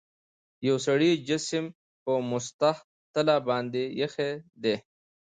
یو سړي جسم په مسطح تله باندې ایښي دي.